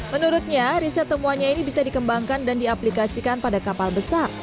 menurutnya riset temuannya ini bisa dikembangkan dan diaplikasikan pada kapal besar